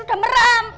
udah mau tidur